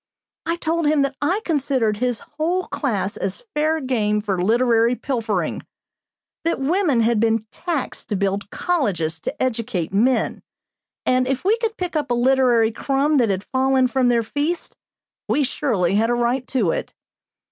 I told him that I considered his whole class as fair game for literary pilfering. That women had been taxed to build colleges to educate men, and if we could pick up a literary crumb that had fallen from their feasts, we surely had a right to it.